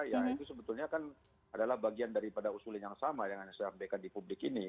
ya itu sebetulnya kan adalah bagian daripada usulan yang sama yang disampaikan di publik ini